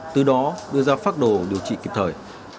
từ đó đưa ra phác đồ điều trị kịp thời